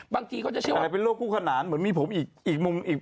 บางทีเขาจะเชื่อว่าอะไรเป็นโรคคู่ขนานเหมือนมีผมอีกมุมอีกฝั่งเนี้ย